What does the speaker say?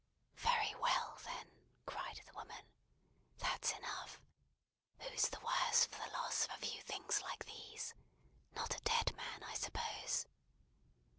"Very well, then!" cried the woman. "That's enough. Who's the worse for the loss of a few things like these? Not a dead man, I suppose."